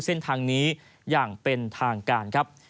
เส้นทางนี้อย่างเป็นทางการครับ